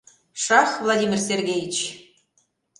Шах, Владимир Сергеич!